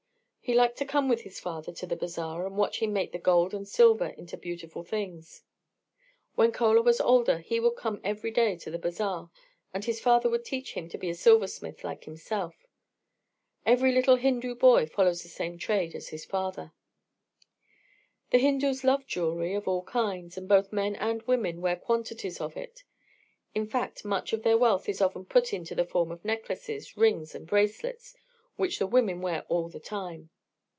He liked to come with his father to the Bazaar and watch him make the gold and silver into beautiful things. When Chola was older he would come every day to the Bazaar, and his father would teach him to be a silversmith like himself. Every little Hindu boy follows the same trade as his father. The Hindus love jewelry of all kinds, and both men and women wear quantities of it. In fact much of their wealth is often put into the form of necklaces, rings, and bracelets, which the women wear all the time.